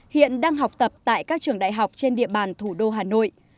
hiện đang học tập tại các trường đại học trên địa bàn thủ đô hà nội